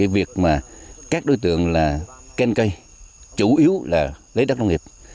việc các đối tượng kênh cây chủ yếu là lấy đất nông nghiệp